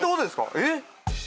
えっ？